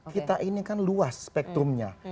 kita ini kan luas spektrumnya